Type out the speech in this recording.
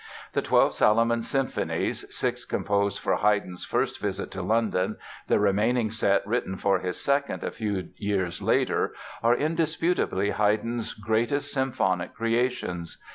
The twelve Salomon symphonies (six composed for Haydn's first visit to London, the remaining set written for his second a few years later) are indisputably Haydn's greatest symphonic creations.